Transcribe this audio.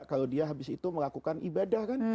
kalau dia habis itu melakukan ibadah kan